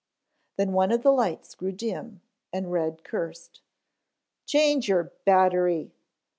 Then one of the lights grew dim, and Red cursed. "Change your battery."